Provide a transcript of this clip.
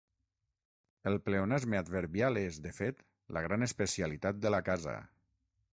El pleonasme adverbial és, de fet, la gran especialitat de la casa.